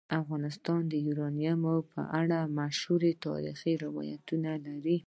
افغانستان د یورانیم په اړه مشهور تاریخی روایتونه لري.